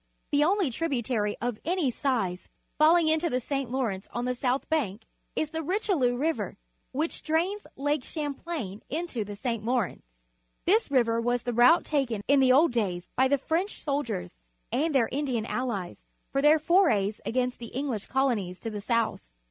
The only tributary of any size falling into the St. Lawrence on the south bank is the Richelieu River, which drains Lake Champlain into the St. Lawrence. This river was the route taken in the old days by the French soldiers and their Indian allies for their forays against the English colonies to the south.